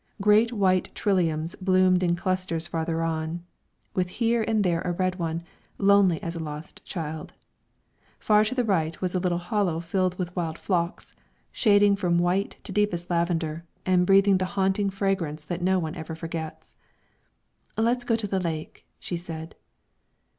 Great white triliums bloomed in clusters farther on, with here and there a red one, lonely as a lost child. Far to the right was a little hollow filled with wild phlox, shading from white to deepest lavender, and breathing the haunting fragrance which no one ever forgets. "Let's go to the lake," she said.